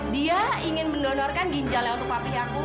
dia ingin mendonorkan ginjalnya untuk pamrih aku